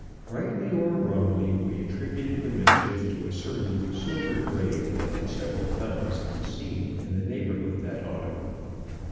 Rightly or wrongly, we attributed the mischief to a certain "silver gray" that had several times been seen in the neighborhood that autumn.